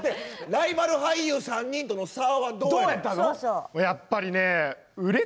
ライバル俳優３人との差はどうや？